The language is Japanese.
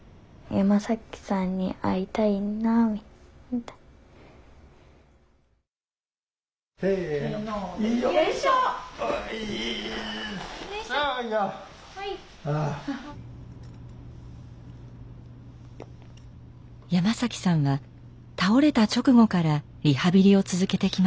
山さんは倒れた直後からリハビリを続けてきました。